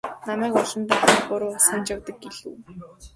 Намайг олондоо хар буруу санаж явдаг гэж хэлэх нь үү?